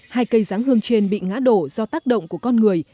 hai cây giáng hương trên bị ngã đổ do tác động của con người